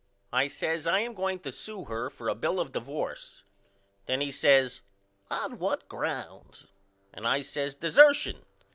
I says I am going to sew her for a bill of divorce. Then he says On what grounds? and I says Dessertion.